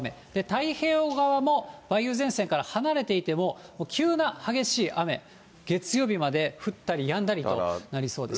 太平洋側も梅雨前線から離れていても、急な激しい雨、月曜日まで降ったりやんだりとなりそうです。